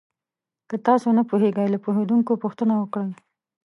که تاسو نه پوهېږئ، له پوهېدونکو پوښتنه وکړئ.